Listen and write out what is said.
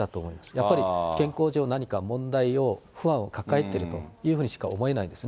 やっぱり、健康上、何か問題を、不安を抱えているというふうにしか思えないですね。